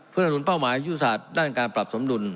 เพื่อระนุนเป้าหมายยุทธศาสตร์ด้านการปรับสมดุล